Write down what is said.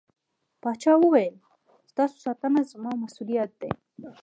پاچا وويل: ستاسو ساتنه زما مسووليت دى.